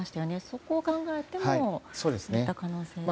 そこを考えてもあった可能性があると。